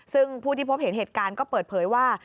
ซึ่งผู้ที่พบเห็นเหตุการณ์ก็เปิดเผยว่า